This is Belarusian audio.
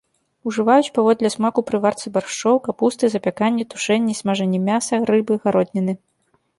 Ужываюць паводле смаку пры варцы баршчоў, капусты, запяканні, тушэнні і смажанні мяса, рыбы, гародніны.